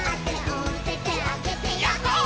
「おててあげてヤッホー」